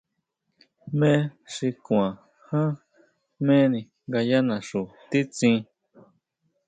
¿Jmé xi kuan ján, jméni nga yá naxu titsín?